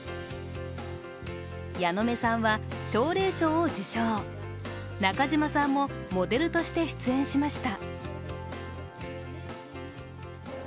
矢野目さんは奨励賞を受賞、中嶋さんもモデルとして出演しました。